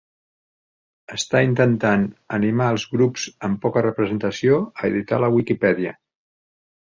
Està intentant animar els grups amb poca representació a editar la Wikipedia